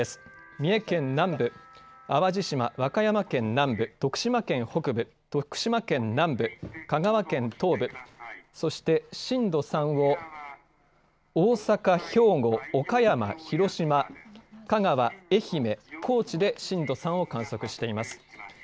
三重県南部、淡路島、和歌山県南部、徳島県北部、徳島県南部、香川県東部、そして震度３を大阪、兵庫、岡山、広島、香川、愛媛、高知で震度３を観測しています。